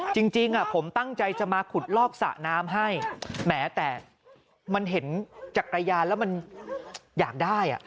จริงผมตั้งใจจะมาขุดลอกสระน้ำให้แหมแต่มันเห็นจักรยานแล้วมันอยากได้